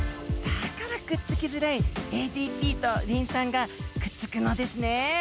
だからくっつきづらいＡＤＰとリン酸がくっつくのですね。